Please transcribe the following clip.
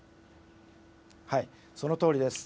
はい、そのとおりです。